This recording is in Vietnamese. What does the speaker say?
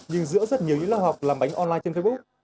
nhưng giữa rất nhiều những lớp học làm bánh online trên facebook